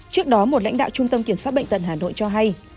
trước đó một lãnh đạo trung tâm kiểm soát bệnh tận hà nội cho hay